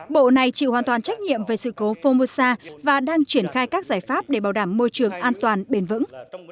bộ này chịu hoàn toàn trách nhiệm về sự cố formosa và đang triển khai các giải pháp để bảo đảm môi trường an toàn bền vững